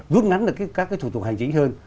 rút ngắn được các cái thủ tục hành chính hơn